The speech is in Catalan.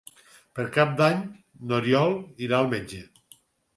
Per Cap d'Any n'Oriol irà al metge.